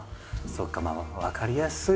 そうかまあ分かりやすい。